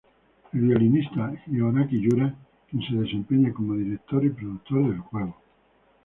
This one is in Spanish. El violinista Hiroaki Yura, quien se desempeña como director y productor del juego.